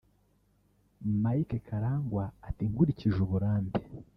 Mike Karangwa ati “Nkurikije uburambe